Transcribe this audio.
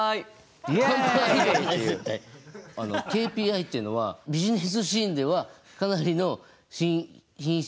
あのＫＰＩっていうのはビジネスシーンではかなりの頻出単語。